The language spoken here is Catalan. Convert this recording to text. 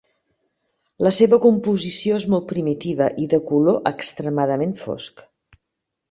La seva composició és molt primitiva i de color extremadament fosc.